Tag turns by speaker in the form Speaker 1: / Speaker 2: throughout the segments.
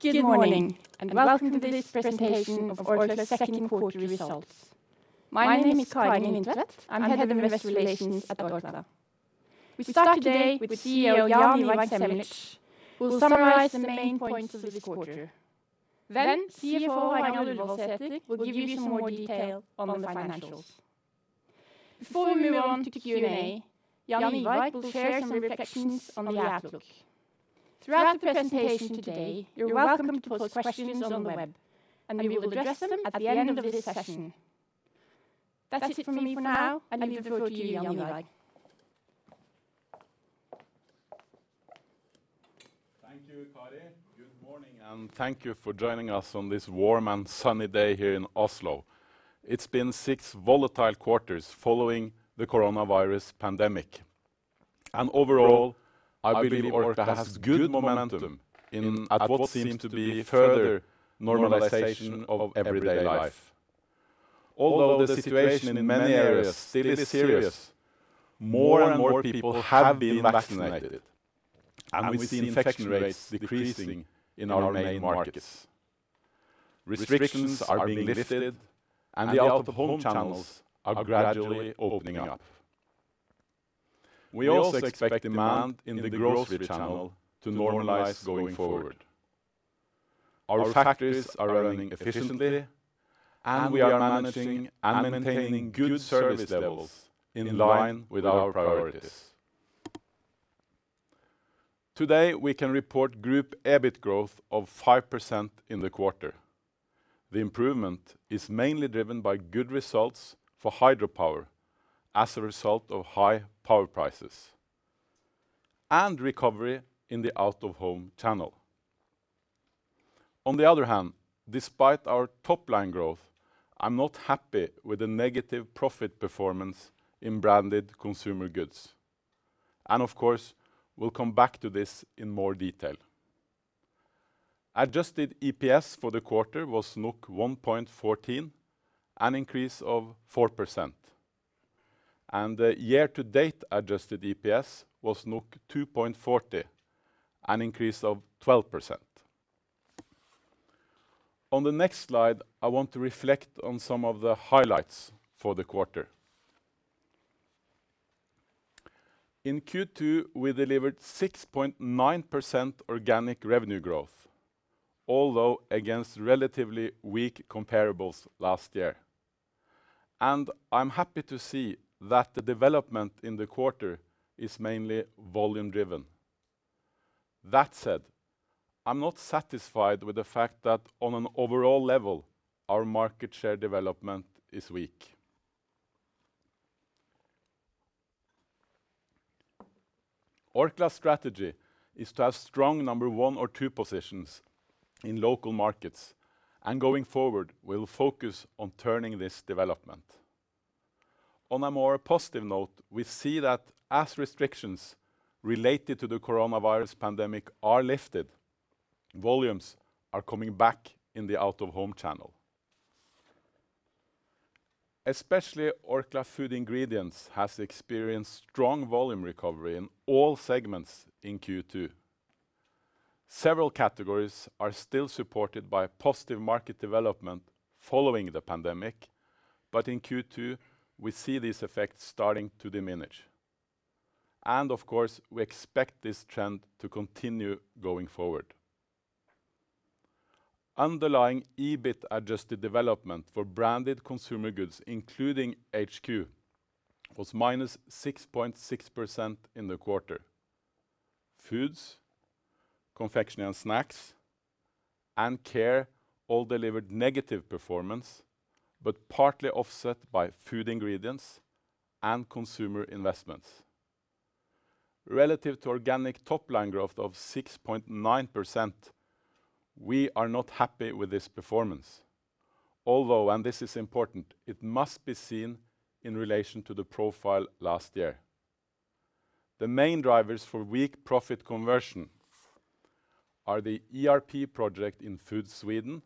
Speaker 1: Good morning, welcome to this presentation of Orkla's second quarterly results. My name is Kari Lindtvedt. I'm Head of Investor Relations at Orkla. We start today with CEO Jaan Ivar Semlitsch, who will summarize the main points of this quarter. CFO Harald Ullevoldsæter will give you some more detail on the financials. Before we move on to Q&A, Jaan Ivar will share some reflections on the outlook. Throughout the presentation today, you're welcome to pose questions on the web, we will address them at the end of this session. That's it from me for now, I leave the floor to you, Jaan Ivar.
Speaker 2: Thank you, Kari. Good morning, and thank you for joining us on this warm and sunny day here in Oslo. It's been six volatile quarters following the coronavirus pandemic. Overall, I believe Orkla has good momentum at what seems to be further normalization of everyday life. Although the situation in many areas still is serious, more and more people have been vaccinated. We see infection rates decreasing in our main markets. Restrictions are being lifted. The out-of-home channels are gradually opening up. We also expect demand in the grocery channel to normalize going forward. Our factories are running efficiently. We are managing and maintaining good service levels in line with our priorities. Today, we can report group EBIT growth of 5% in the quarter. The improvement is mainly driven by good results for hydropower as a result of high power prices and recovery in the out-of-home channel. Despite our top-line growth, I'm not happy with the negative profit performance in Branded Consumer Goods. Of course, we'll come back to this in more detail. Adjusted EPS for the quarter was 1.14, an increase of 4%. The year-to-date adjusted EPS was 2.40, an increase of 12%. On the next slide, I want to reflect on some of the highlights for the quarter. In Q2, we delivered 6.9% organic revenue growth, although against relatively weak comparables last year. I'm happy to see that the development in the quarter is mainly volume driven. I'm not satisfied with the fact that on an overall level, our market share development is weak. Orkla's strategy is to have strong number one or two positions in local markets. Going forward, we'll focus on turning this development. On a more positive note, we see that as restrictions related to the coronavirus pandemic are lifted, volumes are coming back in the out-of-home channel. Especially Orkla Food Ingredients has experienced strong volume recovery in all segments in Q2. Several categories are still supported by positive market development following the pandemic. In Q2, we see these effects starting to diminish. Of course, we expect this trend to continue going forward. Underlying EBIT adjusted development for Branded Consumer Goods, including HQ, was -6.6% in the quarter. Foods, Confectionery and Snacks, and Care all delivered negative performance. Partly offset by Food Ingredients and consumer investments. Relative to organic top-line growth of 6.9%, we are not happy with this performance, although, and this is important, it must be seen in relation to the profile last year. The main drivers for weak profit conversion are the ERP project in Orkla Foods Sweden,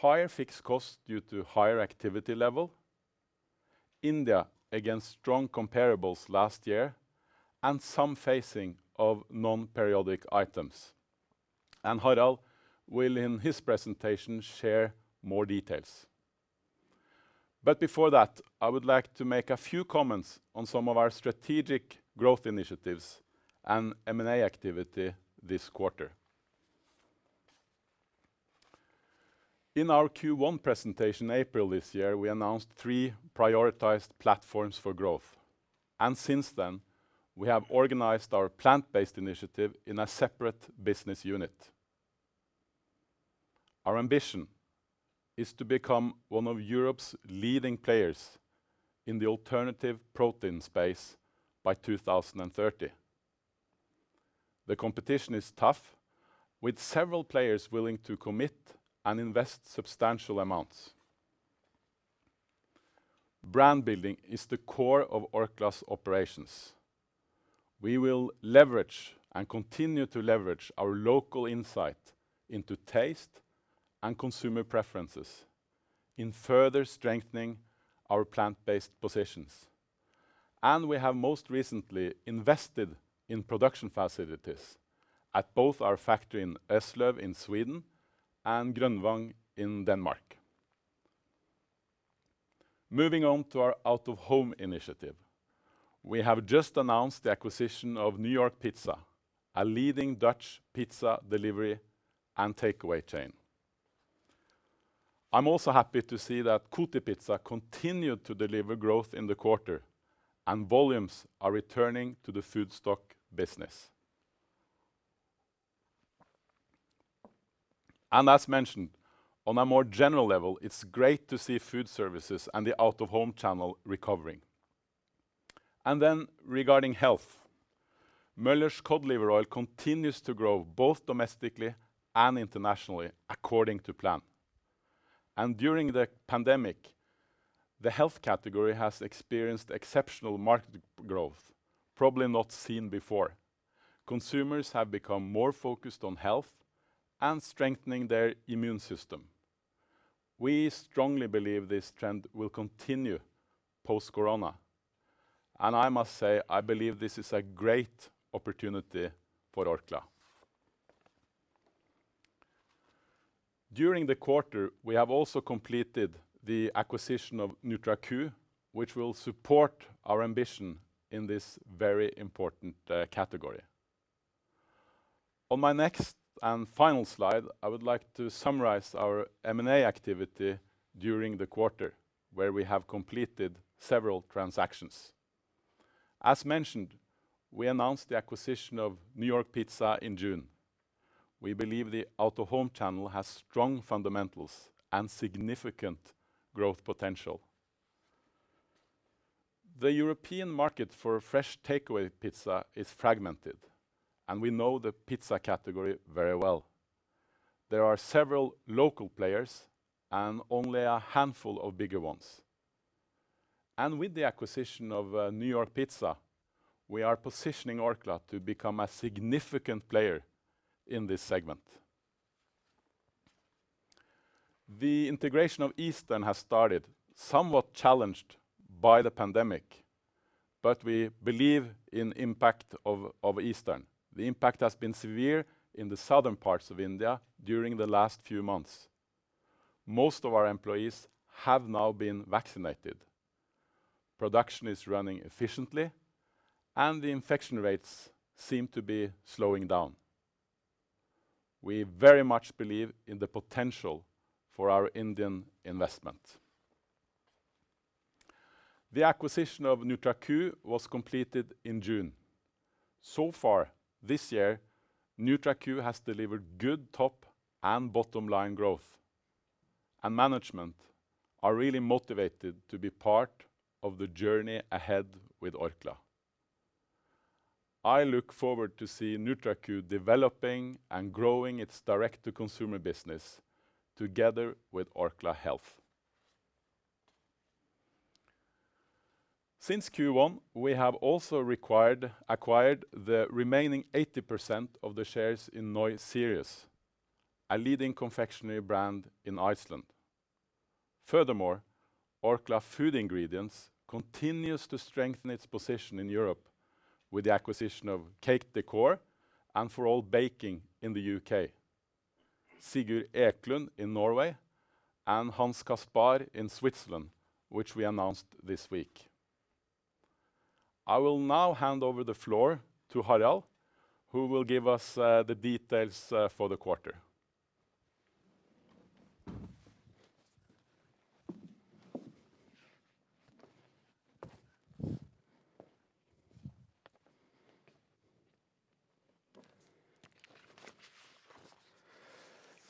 Speaker 2: higher fixed costs due to higher activity level, India against strong comparables last year, and some phasing of non-periodic items. Harald will, in his presentation, share more details. Before that, I would like to make a few comments on some of our strategic growth initiatives and M&A activity this quarter. In our Q1 presentation, April this year, we announced three prioritized platforms for growth. Since then, we have organized our plant-based initiative in a separate business unit. Our ambition is to become one of Europe's leading players in the alternative protein space by 2030. The competition is tough, with several players willing to commit and invest substantial amounts. Brand building is the core of Orkla's operations. We will leverage and continue to leverage our local insight into taste and consumer preferences in further strengthening our plant-based positions. We have most recently invested in production facilities at both our factory in Eslöv in Sweden and Grønvang in Denmark. Moving on to our out-of-home initiative, we have just announced the acquisition of New York Pizza, a leading Dutch pizza delivery and takeaway chain. I'm also happy to see that Kotipizza continued to deliver growth in the quarter, and volumes are returning to the Foodstock business. As mentioned, on a more general level, it's great to see food services and the out-of-home channel recovering. Regarding health, Möller's cod liver oil continues to grow both domestically and internationally, according to plan. During the pandemic, the health category has experienced exceptional market growth, probably not seen before. Consumers have become more focused on health and strengthening their immune system. We strongly believe this trend will continue post-corona. I must say, I believe this is a great opportunity for Orkla. During the quarter, we have also completed the acquisition of NutraQ, which will support our ambition in this very important category. On my next and final slide, I would like to summarize our M&A activity during the quarter, where we have completed several transactions. As mentioned, we announced the acquisition of New York Pizza in June. We believe the out-of-home channel has strong fundamentals and significant growth potential. The European market for fresh takeaway pizza is fragmented, and we know the pizza category very well. There are several local players and only a handful of bigger ones. With the acquisition of New York Pizza, we are positioning Orkla to become a significant player in this segment. The integration of Eastern has started, somewhat challenged by the pandemic, but we believe in impact of Eastern. The impact has been severe in the southern parts of India during the last few months. Most of our employees have now been vaccinated. Production is running efficiently, and the infection rates seem to be slowing down. We very much believe in the potential for our Indian investment. The acquisition of NutraQ was completed in June. So far this year, NutraQ has delivered good top and bottom line growth, and management are really motivated to be part of the journey ahead with Orkla. I look forward to see NutraQ developing and growing its direct-to-consumer business together with Orkla Health. Since Q1, we have also acquired the remaining 80% of the shares in Nói Síríus, a leading confectionery brand in Iceland. Furthermore, Orkla Food Ingredients continues to strengthen its position in Europe with the acquisition of Cake Décor and For All Baking in the U.K., Sigurd Ecklund in Norway, and Hans Kaspar in Switzerland, which we announced this week. I will now hand over the floor to Harald, who will give us the details for the quarter.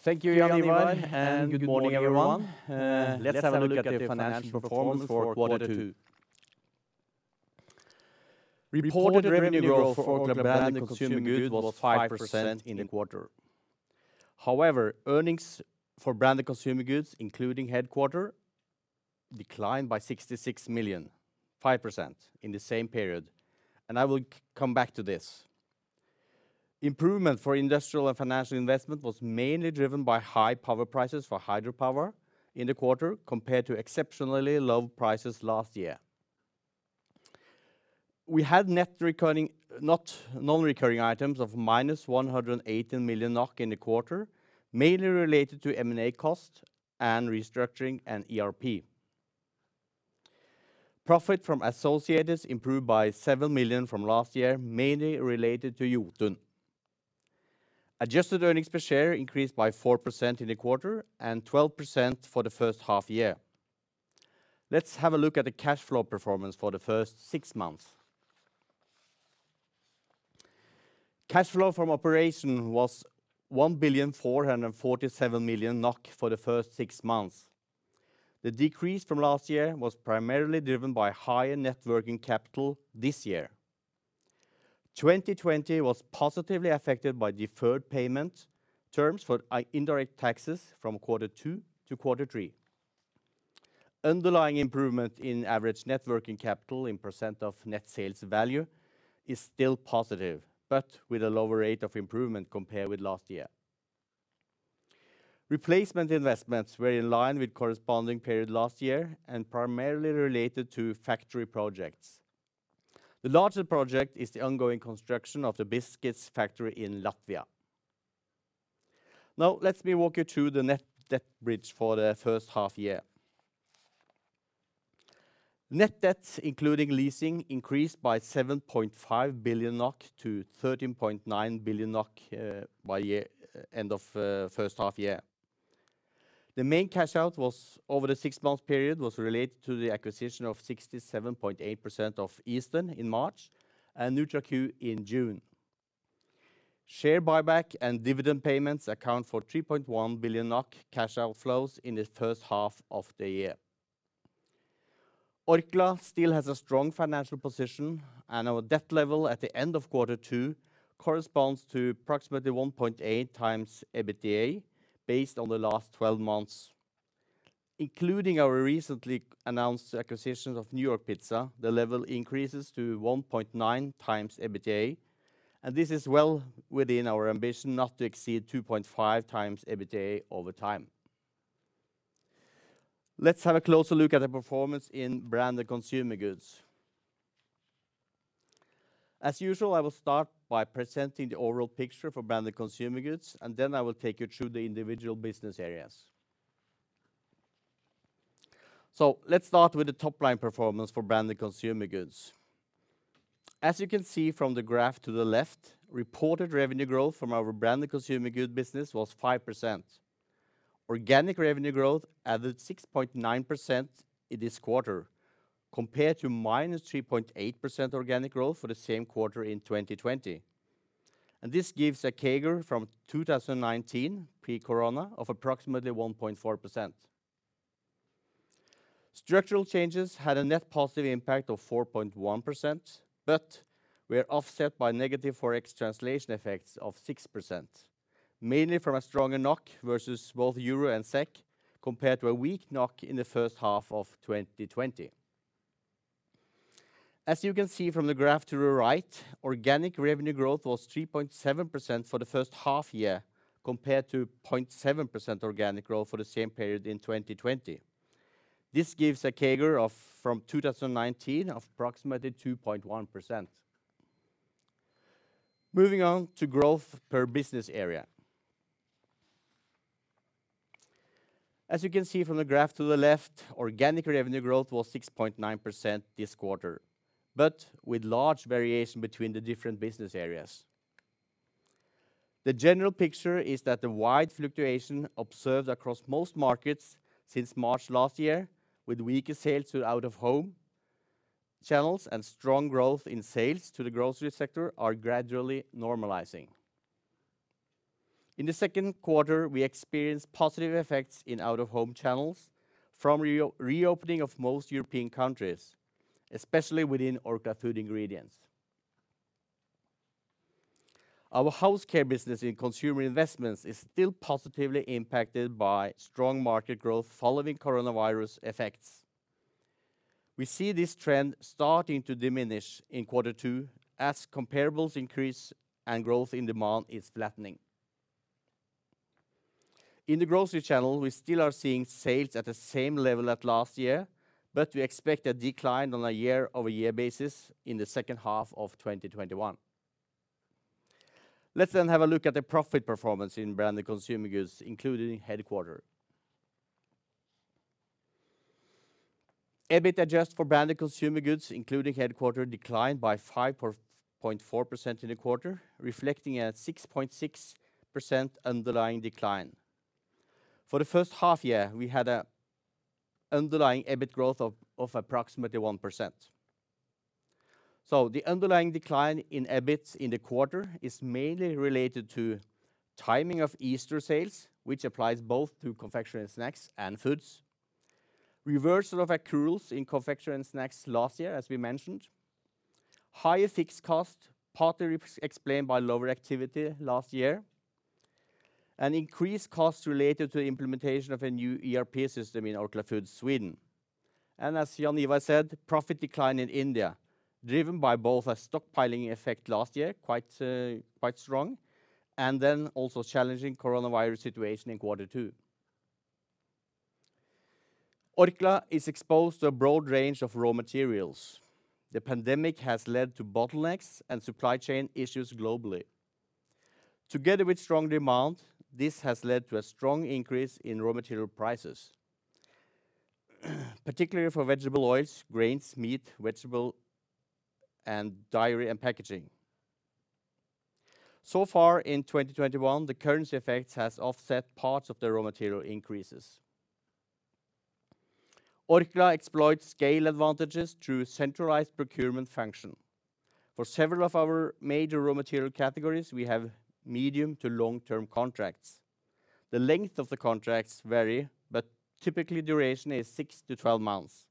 Speaker 3: Thank you, Jaan Ivar. Good morning, everyone. Let's have a look at the financial performance for quarter two. Reported revenue growth for Orkla Branded Consumer Goods was 5% in the quarter. However, earnings for Branded Consumer Goods, including headquarter, declined by 66 million, 5% in the same period. I will come back to this. Improvement for industrial and financial investment was mainly driven by high power prices for hydropower in the quarter, compared to exceptionally low prices last year. We had non-recurring items of -118 million NOK in the quarter, mainly related to M&A costs and restructuring and ERP. Profit from associates improved by 7 million from last year, mainly related to Jotun. Adjusted earnings per share increased by 4% in the quarter and 12% for the first half-year. Let's have a look at the cash flow performance for the first six months. Cash flow from operation was 1,447 million NOK for the first six months. The decrease from last year was primarily driven by higher net working capital this year. 2020 was positively affected by deferred payment terms for indirect taxes from quarter two to quarter three. Underlying improvement in average net working capital in percent of net sales value is still positive, but with a lower rate of improvement compared with last year. Replacement investments were in line with corresponding period last year and primarily related to factory projects. The largest project is the ongoing construction of the biscuits factory in Latvia. Now, let me walk you through the net debt bridge for the first half year. Net debts, including leasing, increased by 7.5 billion NOK to 13.9 billion NOK by end of first half year. The main cash out over the six-month period was related to the acquisition of 67.8% of Eastern in March and NutraQ in June. Share buyback and dividend payments account for 3.1 billion NOK cash outflows in the first half of the year. Orkla still has a strong financial position, and our debt level at the end of quarter two corresponds to approximately 1.8x EBITDA, based on the last 12 months. Including our recently announced acquisition of New York Pizza, the level increases to 1.9x EBITDA, and this is well within our ambition not to exceed 2.5x EBITDA over time. Let's have a closer look at the performance in Branded Consumer Goods. As usual, I will start by presenting the overall picture for Branded Consumer Goods, and then I will take you through the individual business areas. Let's start with the top-line performance for Branded Consumer Goods. As you can see from the graph to the left, reported revenue growth from our Branded Consumer Goods business was 5%. Organic revenue growth added 6.9% in this quarter, compared to -3.8% organic growth for the same quarter in 2020. This gives a CAGR from 2019, pre-corona, of approximately 1.4%. Structural changes had a net positive impact of 4.1%, but were offset by negative FX translation effects of 6%, mainly from a stronger NOK versus both EUR and SEK, compared to a weak NOK in the first half of 2020. As you can see from the graph to the right, organic revenue growth was 3.7% for the first half year, compared to 0.7% organic growth for the same period in 2020. This gives a CAGR from 2019 of approximately 2.1%. Moving on to growth per business area. As you can see from the graph to the left, organic revenue growth was 6.9% this quarter, with large variation between the different business areas. The general picture is that the wide fluctuation observed across most markets since March last year, with weaker sales to out-of-home channels and strong growth in sales to the grocery sector, are gradually normalizing. In the second quarter, we experienced positive effects in out-of-home channels from reopening of most European countries, especially within Orkla Food Ingredients. Our house care business in consumer investments is still positively impacted by strong market growth following coronavirus effects. We see this trend starting to diminish in quarter two as comparables increase and growth in demand is flattening. In the grocery channel, we still are seeing sales at the same level as last year, we expect a decline on a year-over-year basis in the second half of 2021. Let's have a look at the profit performance in Branded Consumer Goods, including headquarter. EBIT adjusted for Branded Consumer Goods, including headquarter, declined by 5.4% in the quarter, reflecting a 6.6% underlying decline. For the first half year, we had an underlying EBIT growth of approximately 1%. The underlying decline in EBIT in the quarter is mainly related to timing of Easter sales, which applies both to confectionery and snacks and foods. Reversal of accruals in confectionery and snacks last year, as we mentioned. Higher fixed cost, partly explained by lower activity last year, and increased costs related to the implementation of a new ERP system in Orkla Foods Sweden. As Jaan Ivar said, profit decline in India, driven by both a stockpiling effect last year, quite strong, and also challenging coronavirus situation in quarter two. Orkla is exposed to a broad range of raw materials. The pandemic has led to bottlenecks and supply chain issues globally. Together with strong demand, this has led to a strong increase in raw material prices, particularly for vegetable oils, grains, meat, vegetable, and dairy and packaging. So far in 2021, the currency effects has offset parts of the raw material increases. Orkla exploits scale advantages through centralized procurement function. For several of our major raw material categories, we have medium to long-term contracts. The length of the contracts vary, but typically duration is 6-12 months.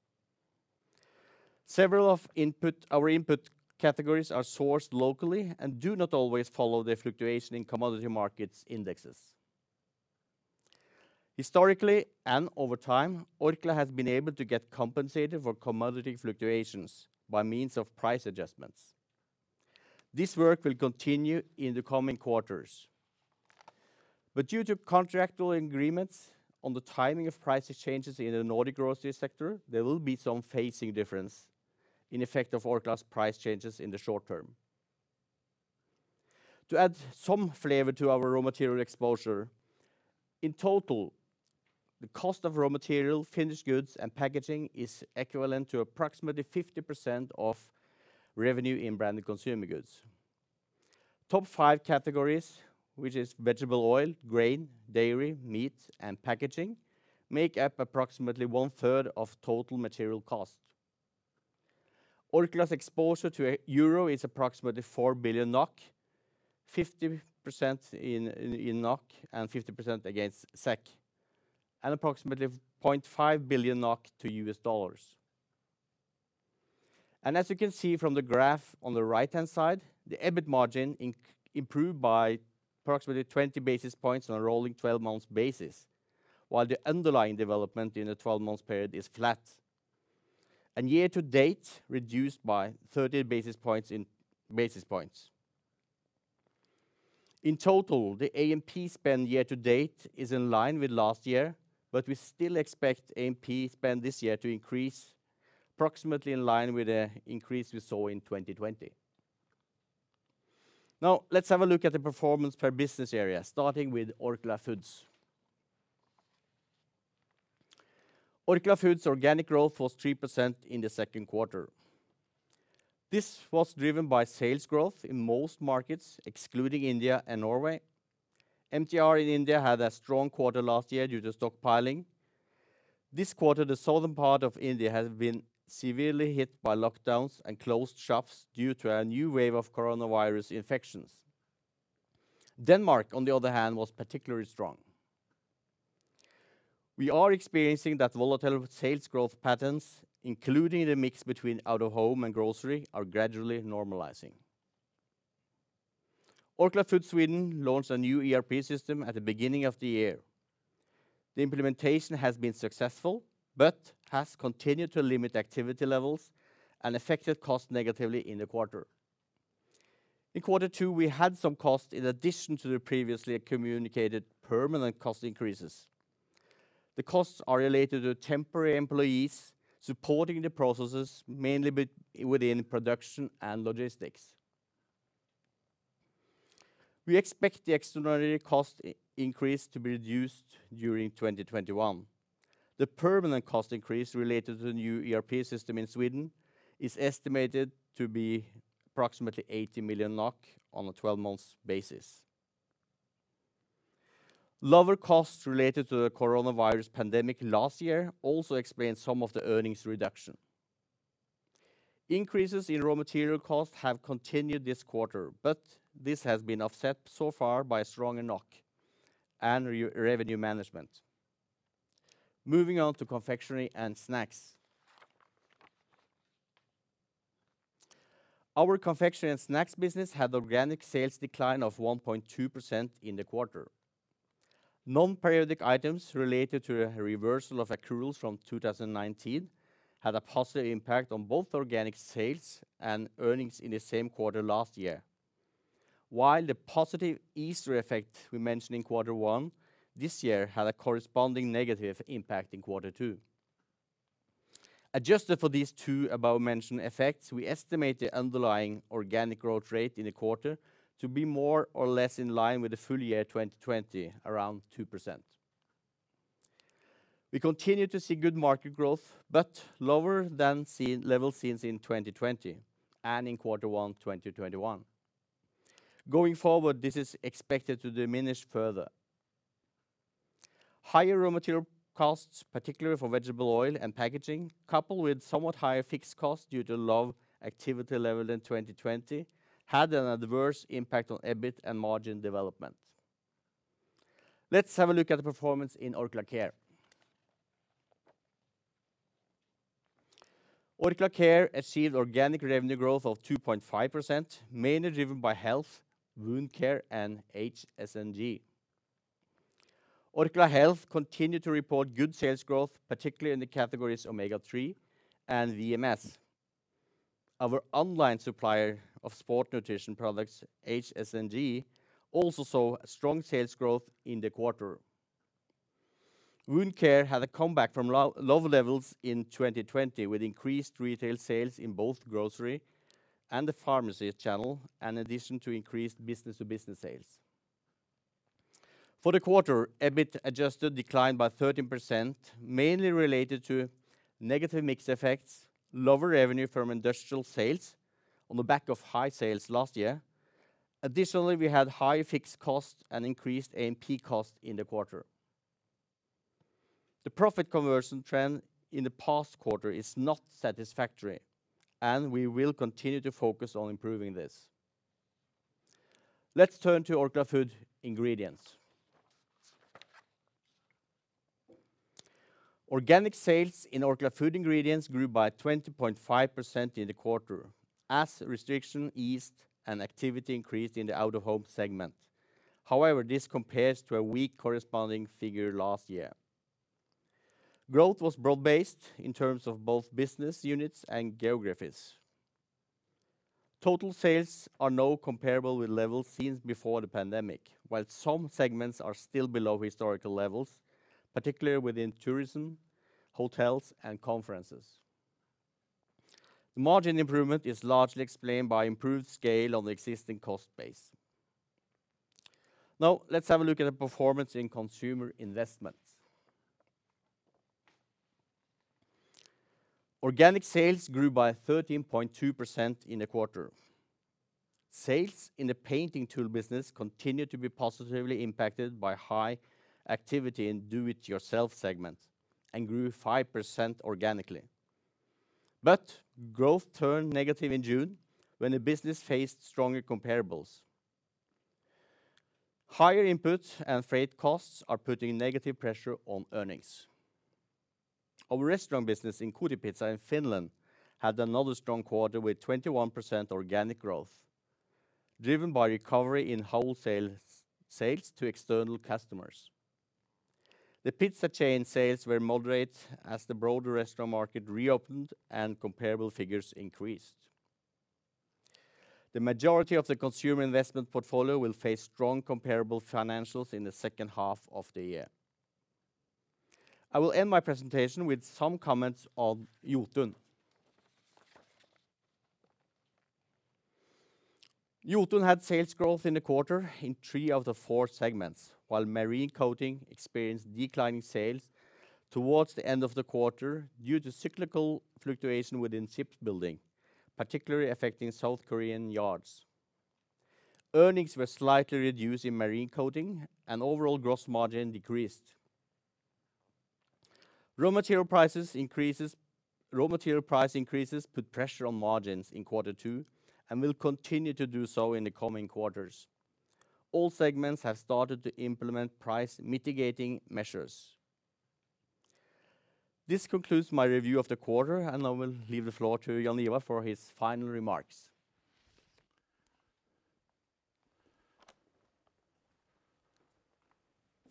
Speaker 3: Several of our input categories are sourced locally and do not always follow the fluctuation in commodity markets indexes. Historically and over time, Orkla has been able to get compensated for commodity fluctuations by means of price adjustments. This work will continue in the coming quarters. Due to contractual agreements on the timing of price changes in the Nordic grocery sector, there will be some phasing difference in effect of Orkla's price changes in the short term. To add some flavor to our raw material exposure, in total, the cost of raw material, finished goods, and packaging is equivalent to approximately 50% of revenue in Branded Consumer Goods. Top 5 categories, which is vegetable oil, grain, dairy, meat, and packaging, make up approximately 1/3 of total material cost. Orkla's exposure to EUR is approximately 4 billion NOK, 50% in NOK and 50% against SEK, and approximately $0.5 billion to U.S. dollars. As you can see from the graph on the right-hand side, the EBIT margin improved by approximately 20 basis points on a rolling 12 months basis, while the underlying development in the 12 months period is flat. Year to date, reduced by 30 basis points. In total, the A&P spend year to date is in line with last year, but we still expect A&P spend this year to increase approximately in line with the increase we saw in 2020. Let's have a look at the performance per business area, starting with Orkla Foods. Orkla Foods organic growth was 3% in the second quarter. This was driven by sales growth in most markets, excluding India and Norway. MTR in India had a strong quarter last year due to stockpiling. This quarter, the southern part of India has been severely hit by lockdowns and closed shops due to a new wave of coronavirus infections. Denmark, on the other hand, was particularly strong. We are experiencing that volatile sales growth patterns, including the mix between out of home and grocery, are gradually normalizing. Orkla Foods Sweden launched a new ERP system at the beginning of the year. The implementation has been successful, but has continued to limit activity levels and affected cost negatively in the quarter. In quarter two, we had some cost in addition to the previously communicated permanent cost increases. The costs are related to temporary employees supporting the processes, mainly within production and logistics. We expect the extraordinary cost increase to be reduced during 2021. The permanent cost increase related to the new ERP system in Sweden is estimated to be approximately 80 million NOK on a 12 months basis. Lower costs related to the coronavirus pandemic last year also explain some of the earnings reduction. Increases in raw material costs have continued this quarter, but this has been offset so far by a stronger NOK and revenue management. Moving on to Confectionery and Snacks. Our Confectionery and Snacks business had organic sales decline of 1.2% in the quarter. Non-periodic items related to a reversal of accruals from 2019 had a positive impact on both organic sales and earnings in the same quarter last year. While the positive Easter effect we mentioned in quarter one this year had a corresponding negative impact in quarter two. Adjusted for these two above-mentioned effects, we estimate the underlying organic growth rate in the quarter to be more or less in line with the full year 2020, around 2%. We continue to see good market growth, but lower than levels seen in 2020 and in quarter one 2021. Going forward, this is expected to diminish further. Higher raw material costs, particularly for vegetable oil and packaging, coupled with somewhat higher fixed costs due to low activity level in 2020, had an adverse impact on EBIT and margin development. Let's have a look at the performance in Orkla Care. Orkla Care achieved organic revenue growth of 2.5%, mainly driven by health, wound care, and HSNG. Orkla Health continued to report good sales growth, particularly in the categories omega-3 and VMS. Our online supplier of sport nutrition products, HSNG, also saw strong sales growth in the quarter. Wound care had a comeback from low levels in 2020 with increased retail sales in both grocery and the pharmacy channel, in addition to increased business-to-business sales. For the quarter, EBIT adjusted declined by 13%, mainly related to negative mix effects, lower revenue from industrial sales on the back of high sales last year. Additionally, we had high fixed costs and increased A&P cost in the quarter. The profit conversion trend in the past quarter is not satisfactory, and we will continue to focus on improving this. Let's turn to Orkla Food Ingredients. Organic sales in Orkla Food Ingredients grew by 20.5% in the quarter as restriction eased and activity increased in the out-of-home segment. This compares to a weak corresponding figure last year. Growth was broad-based in terms of both business units and geographies. Total sales are now comparable with levels seen before the pandemic, while some segments are still below historical levels, particularly within tourism, hotels, and conferences. The margin improvement is largely explained by improved scale on the existing cost base. Now, let's have a look at the performance in consumer investments. Organic sales grew by 13.2% in the quarter. Sales in the painting tool business continued to be positively impacted by high activity in do-it-yourself segment and grew 5% organically. Growth turned negative in June when the business faced stronger comparables. Higher input and freight costs are putting negative pressure on earnings. Our restaurant business in Kotipizza in Finland had another strong quarter with 21% organic growth, driven by recovery in wholesale sales to external customers. The pizza chain sales were moderate as the broader restaurant market reopened and comparable figures increased. The majority of the consumer investment portfolio will face strong comparable financials in the second half of the year. I will end my presentation with some comments on Jotun. Jotun had sales growth in the quarter in three of the four segments, while marine coating experienced declining sales towards the end of the quarter due to cyclical fluctuation within shipbuilding, particularly affecting South Korean yards. Earnings were slightly reduced in marine coating, and overall gross margin decreased. Raw material price increases put pressure on margins in quarter two and will continue to do so in the coming quarters. All segments have started to implement price mitigating measures. This concludes my review of the quarter, and I will leave the floor to Jaan Ivar for his final remarks.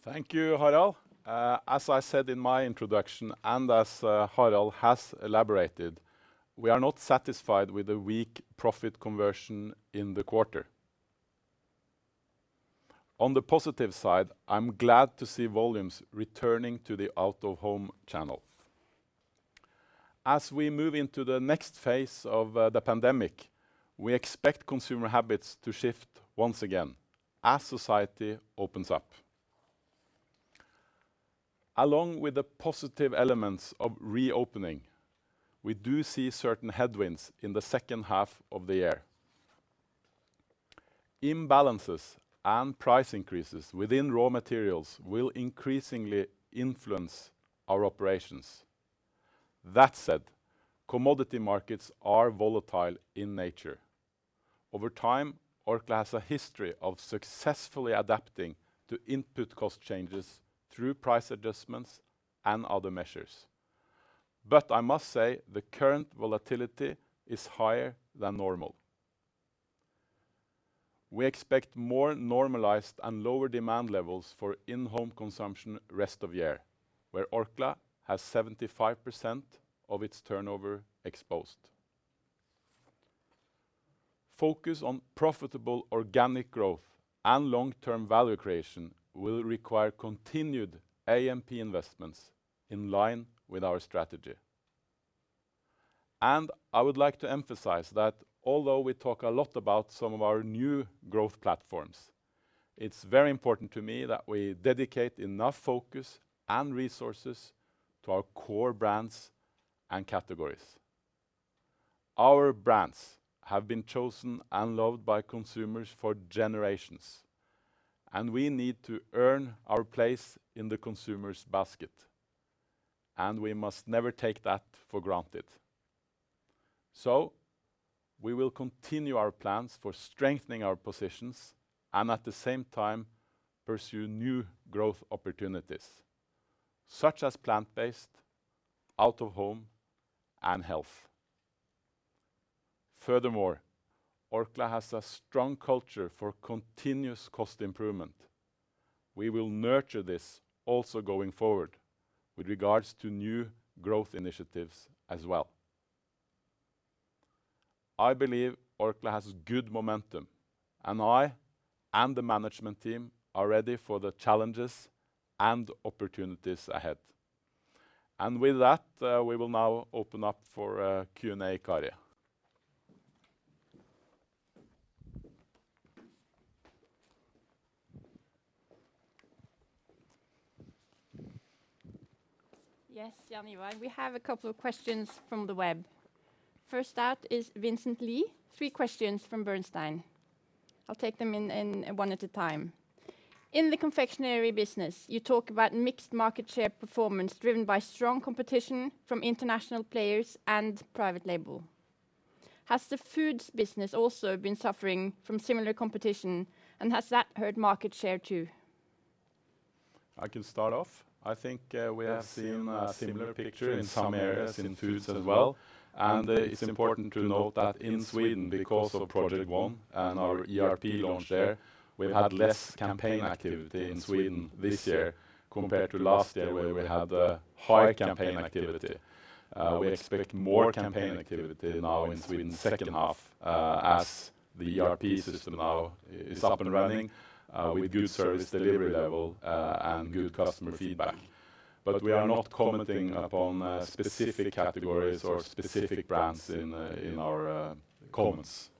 Speaker 2: Thank you, Harald. As I said in my introduction, as Harald has elaborated, we are not satisfied with the weak profit conversion in the quarter. On the positive side, I'm glad to see volumes returning to the out-of-home channel. As we move into the next phase of the pandemic, we expect consumer habits to shift once again as society opens up. Along with the positive elements of reopening, we do see certain headwinds in the second half of the year. Imbalances and price increases within raw materials will increasingly influence our operations. That said, commodity markets are volatile in nature. Over time, Orkla has a history of successfully adapting to input cost changes through price adjustments and other measures. I must say the current volatility is higher than normal. We expect more normalized and lower demand levels for in-home consumption rest of year, where Orkla has 75% of its turnover exposed. Focus on profitable organic growth and long-term value creation will require continued A&P investments in line with our strategy. I would like to emphasize that although we talk a lot about some of our new growth platforms, it's very important to me that we dedicate enough focus and resources to our core brands and categories. Our brands have been chosen and loved by consumers for generations, and we need to earn our place in the consumer's basket, and we must never take that for granted. We will continue our plans for strengthening our positions and at the same time pursue new growth opportunities, such as plant-based, out-of-home, and health. Furthermore, Orkla has a strong culture for continuous cost improvement. We will nurture this also going forward with regards to new growth initiatives as well. I believe Orkla has good momentum, and I and the management team are ready for the challenges and opportunities ahead. With that, we will now open up for Q&A, Kari.
Speaker 1: Yes, Jaan Ivar, we have a couple of questions from the web. First out is Vincent Lee, three questions from Bernstein. I'll take them in one at a time. In the confectionery business, you talk about mixed market share performance driven by strong competition from international players and private label. Has the Foods business also been suffering from similar competition, and has that hurt market share too?
Speaker 2: I can start off. I think we have seen a similar picture in some areas in Foods as well. It's important to note that in Sweden, because of Project One and our ERP launch there, we've had less campaign activity in Sweden this year compared to last year, where we had high campaign activity. We expect more campaign activity now in Sweden second half, as the ERP system now is up and running with good service delivery level and good customer feedback. We are not commenting upon specific categories or specific brands in our comments.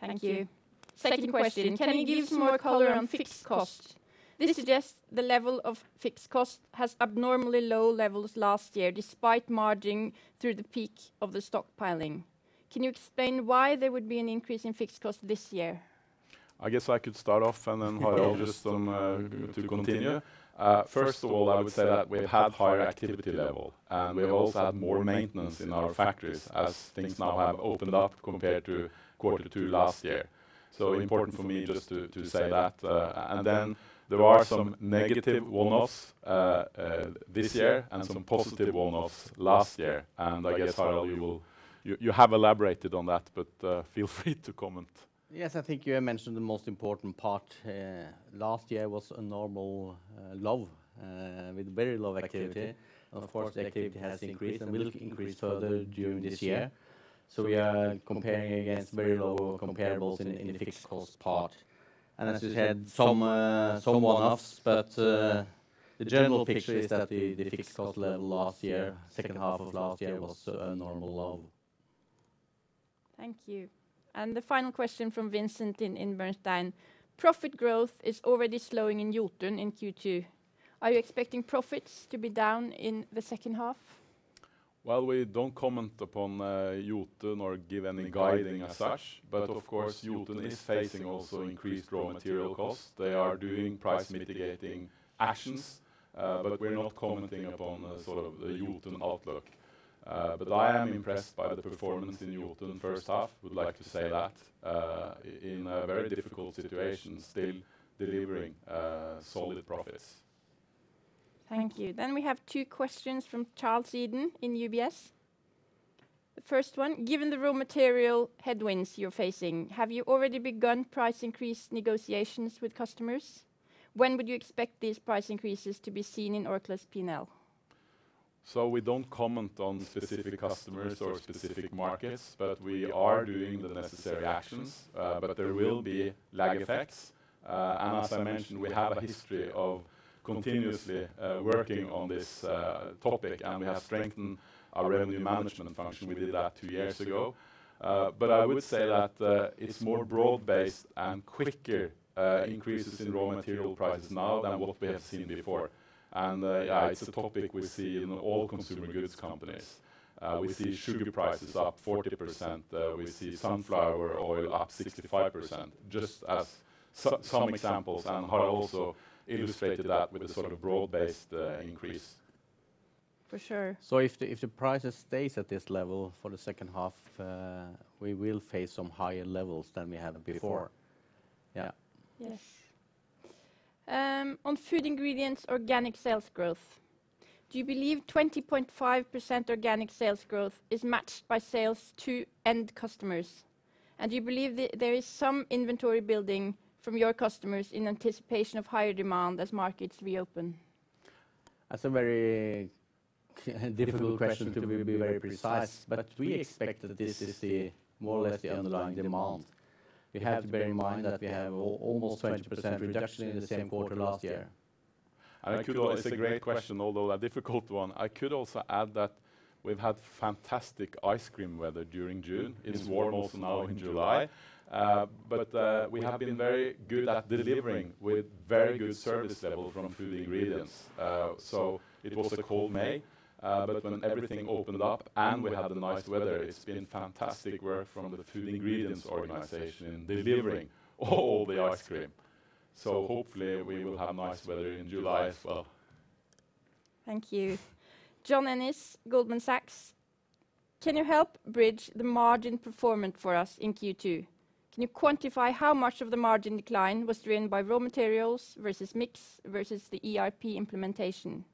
Speaker 1: Thank you. Second question, can you give some more color on fixed cost? This suggests the level of fixed cost has abnormally low levels last year, despite margining through the peak of the stockpiling. Can you explain why there would be an increase in fixed cost this year?
Speaker 2: I guess I could start off.
Speaker 1: Okay
Speaker 2: Harald just to continue. First of all, I would say that we've had higher activity level, and we also had more maintenance in our factories as things now have opened up compared to quarter two last year. Important for me just to say that. There are some negative one-offs this year and some positive one-offs last year. I guess, Harald, you have elaborated on that, but feel free to comment.
Speaker 3: I think you have mentioned the most important part. Last year was a normal low, with very low activity. The activity has increased and will increase further during this year. We are comparing against very low comparables in the fixed cost part. As we said, some one-offs, but the general picture is that the fixed cost level second half of last year was a normal low.
Speaker 1: Thank you. The final question from Vincent in Bernstein. Profit growth is already slowing in Jotun in Q2. Are you expecting profits to be down in the second half?
Speaker 2: Well, we don't comment upon Jotun or give any guiding as such. Of course, Jotun is phacing also increased raw material costs. They are doing price mitigating actions. We're not commenting upon the Jotun outlook. I am impressed by the performance in Jotun 1st half, would like to say that. In a very difficult situation, still delivering solid profits.
Speaker 1: Thank you. We have two questions from Charles Eden in UBS. The first one, given the raw material headwinds you're phacing, have you already begun price increase negotiations with customers? When would you expect these price increases to be seen in Orkla's P&L?
Speaker 2: We don't comment on specific customers or specific markets, but we are doing the necessary actions. There will be lag effects. As I mentioned, we have a history of continuously working on this topic, and we have strengthened our revenue management function. We did that two years ago. I would say that it's more broad based and quicker increases in raw material prices now than what we have seen before. It's a topic we see in all consumer goods companies. We see sugar prices up 40%, we see sunflower oil up 65%, just as some examples, and Harald also illustrated that with a sort of broad based increase.
Speaker 1: For sure.
Speaker 3: If the prices stays at this level for the second half, we will face some higher levels than we had before.
Speaker 1: Before.
Speaker 3: Yeah.
Speaker 1: Yes. On Food Ingredients organic sales growth, do you believe 20.5% organic sales growth is matched by sales to end customers? Do you believe there is some inventory building from your customers in anticipation of higher demand as markets reopen?
Speaker 3: That's a very difficult question to be very precise, but we expect that this is more or less the underlying demand. We have to bear in mind that we have almost 20% reduction in the same quarter last year.
Speaker 2: It's a great question, although a difficult one. I could also add that we've had fantastic ice cream weather during June. It's warm also now in July. We have been very good at delivering with very good service level from Orkla Food Ingredients. It was a cold May, but when everything opened up and we had the nice weather, it's been fantastic work from the Orkla Food Ingredients organization in delivering all the ice cream. Hopefully we will have nice weather in July as well.
Speaker 1: Thank you. John Ennis, Goldman Sachs. Can you help bridge the margin performance for us in Q2? Can you quantify how much of the margin decline was driven by raw materials versus mix versus the ERP implementation?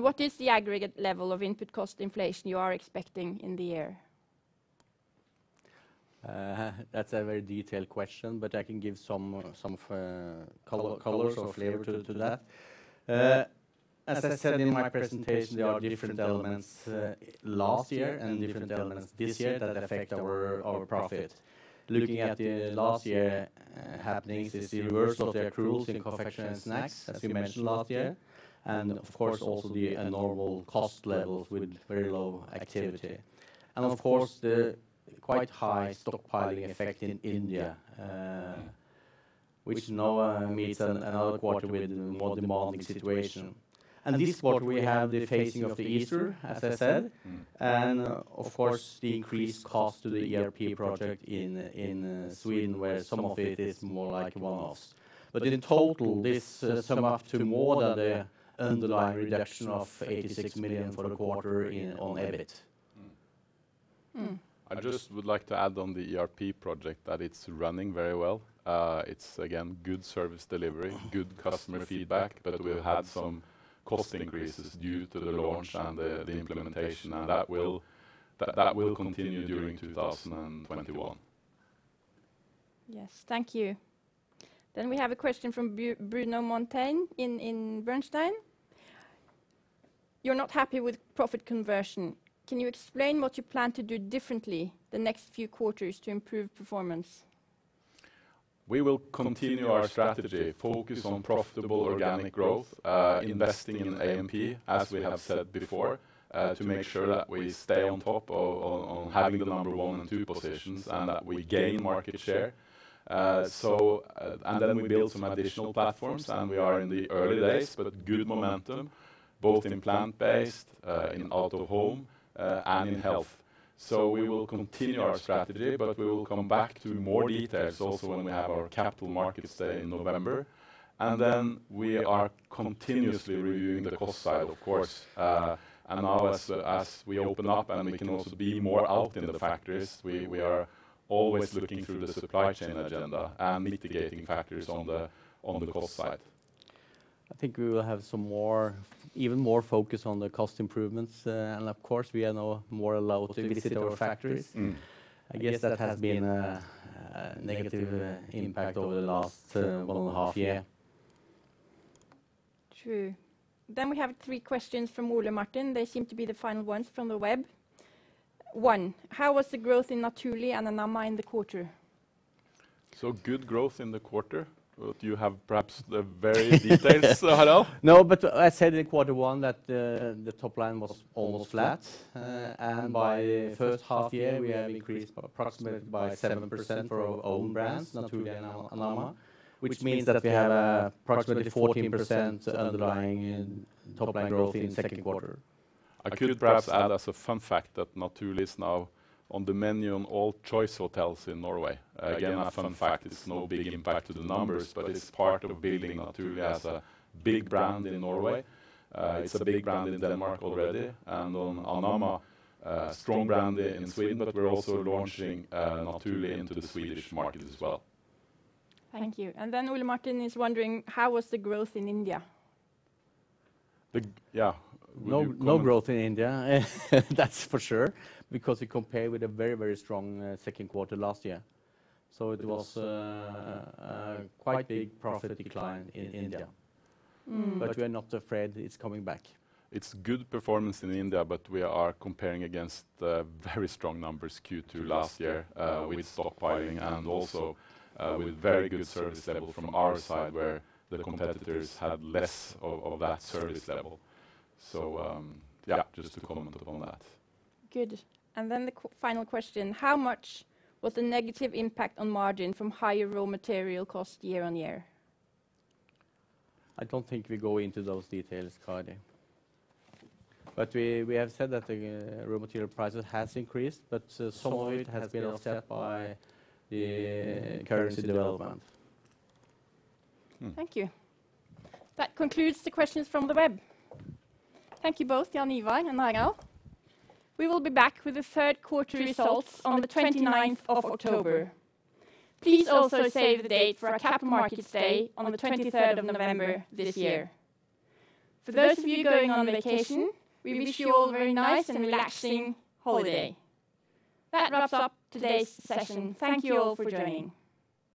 Speaker 1: What is the aggregate level of input cost inflation you are expecting in the year?
Speaker 3: That's a very detailed question, but I can give some colors or flavor to that. As I said in my presentation, there are different elements last year and different elements this year that affect our profit. Looking at the last year happenings is the reverse of the accruals in Confection and Snacks, as we mentioned last year. Of course, also the abnormal cost levels with very low activity. Of course, the quite high stockpiling effect in India, which now meets another quarter with a more demanding situation. This quarter we have the facing of the Easter, as I said, of course the increased cost to the ERP project in Sweden where some of it is more like one-offs. In total, this sum up to more than the underlying reduction of 86 million for the quarter on EBIT.
Speaker 2: I just would like to add on the ERP project that it's running very well. It's again, good service delivery, good customer feedback, but we've had some cost increases due to the launch and the implementation, and that will continue during 2021.
Speaker 1: Yes. Thank you. We have a question from Bruno Monteyne in Bernstein. You're not happy with profit conversion. Can you explain what you plan to do differently the next few quarters to improve performance?
Speaker 2: We will continue our strategy, focus on profitable organic growth, investing in A&P, as we have said before, to make sure that we stay on top of having the number one and two positions and that we gain market share. We build some additional platforms, and we are in the early days, but good momentum both in plant-based, in out-of-home, and in health. We will continue our strategy, but we will come back to more details also when we have our capital markets day in November. We are continuously reviewing the cost side, of course. Now as we open up and we can also be more out in the factories, we are always looking through the supply chain agenda and mitigating factors on the cost side.
Speaker 3: I think we will have even more focus on the cost improvements. Of course, we are now more allowed to visit our factories. I guess that has been a negative impact over the last one and a half year.
Speaker 1: True. We have three questions from Ole Martin. They seem to be the final ones from the web. One, how was the growth in Naturli' and Anamma in the quarter?
Speaker 2: Good growth in the quarter. Well, you have perhaps the very details, Harald.
Speaker 3: I said in quarter one that the top line was almost flat. By first half year, we have increased approximately by 7% for our own brands, Naturli' and Anamma, which means that we have approximately 14% underlying in top line growth in second quarter.
Speaker 2: I could perhaps add as a fun fact that Naturli' is now on the menu on all Choice hotels in Norway. Again, a fun fact. It's no big impact to the numbers, but it's part of building Naturli' as a big brand in Norway. It's a big brand in Denmark already and on Anamma, a strong brand in Sweden, but we're also launching Naturli' into the Swedish market as well.
Speaker 1: Thank you. Ole Martin is wondering, how was the growth in India?
Speaker 2: Yeah. Would you comment?
Speaker 3: No growth in India, that's for sure, because we compare with a very strong second quarter last year. It was a quite big profit decline in India. We're not afraid it's coming back.
Speaker 2: It's good performance in India, but we are comparing against the very strong numbers Q2 last year, with stockpiling and also with very good service level from our side where the competitors had less of that service level. Yeah, just to comment upon that.
Speaker 1: Good. The final question, how much was the negative impact on margin from higher raw material cost year-on-year?
Speaker 3: I don't think we go into those details, Kari. We have said that the raw material prices have increased, but some of it has been offset by the currency development.
Speaker 1: Thank you. That concludes the questions from the web. Thank you both, Jaan Ivar and Harald. We will be back with the third quarter results on the 29th of October. Please also save the date for our Capital Markets Day on the 23rd of November this year. For those of you going on vacation, we wish you all a very nice and relaxing holiday. That wraps up today's session. Thank you all for joining.